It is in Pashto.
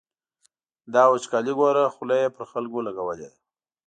دا وچکالي ګوره، خوله یې پر خلکو لګولې ده.